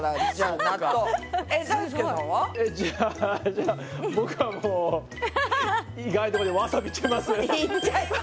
じゃあ僕はもう意外なとこでわさびいっちゃいます？